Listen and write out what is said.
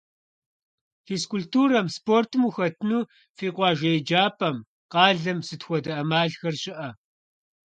Физкультурэм, спортым ухэтыну фи къуажэ еджапӀэм, къалэм сыт хуэдэ Ӏэмалхэр щыӀэ?